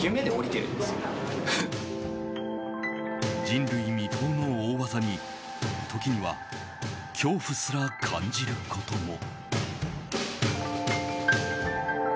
人類未到の大技に時には恐怖すら感じることも。